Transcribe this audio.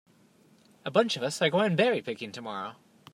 A bunch of us are going berry picking tomorrow.